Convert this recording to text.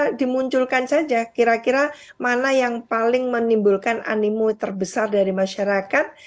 kira kira dimunculkan saja kira kira mana yang paling menimbulkan animu terbesar dari masyarakat